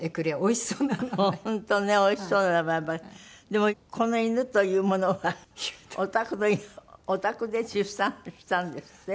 でもこの犬というものがお宅でお宅で出産したんですって？